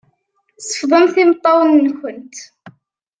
Sefḍemt imeṭṭawen-nkent.